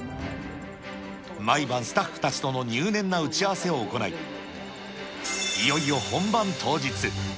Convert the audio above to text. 毎晩スタッフたちとの入念な打ち合わせを行い、いよいよ本番当日。